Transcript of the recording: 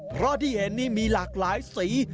เพราะที่เห็นนี่มีหลากหลายสี